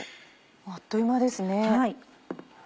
あっという間ですね。